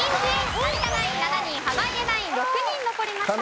有田ナイン７人濱家ナイン６人残りました。